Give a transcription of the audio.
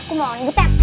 ibu mau ngibetek